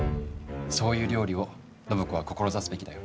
そういう料理を暢子は志すべきだよ。